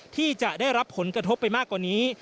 ที่จะได้รับผลกระทบไปมากกว่านี้